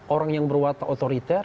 orang yang berwatak otoriter